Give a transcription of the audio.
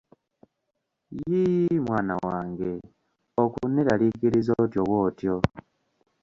Yii mwana wange okuneerarikiriza otyo bw'otyo!